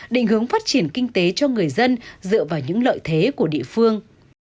định hướng phát triển kinh tế cho người dân dựa vào những lợi thế của địa phương